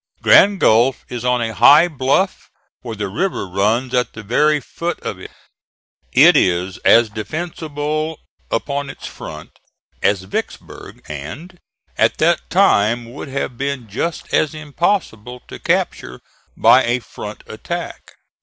Grand Gulf is on a high bluff where the river runs at the very foot of it. It is as defensible upon its front as Vicksburg and, at that time, would have been just as impossible to capture by a front attack.